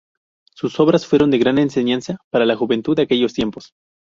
Sus obras fueron de gran enseñanza para la juventud de aquellos tiempos.